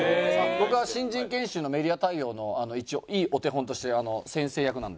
僕は新人研修のメディア対応の一応いいお手本として先生役なんで。